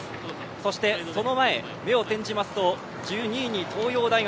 そして目を転じますと１２位に東洋大学